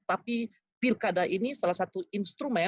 tapi pilkada ini salah satu instrumen